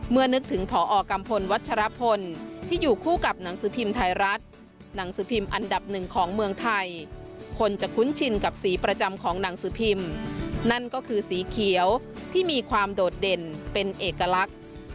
นึกถึงพอกัมพลวัชรพลที่อยู่คู่กับหนังสือพิมพ์ไทยรัฐหนังสือพิมพ์อันดับหนึ่งของเมืองไทยคนจะคุ้นชินกับสีประจำของหนังสือพิมพ์นั่นก็คือสีเขียวที่มีความโดดเด่นเป็นเอกลักษณ์